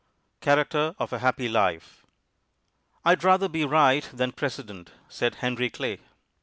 _ CHARACTER OF A HAPPY LIFE "I'd rather be right than President," said Henry Clay.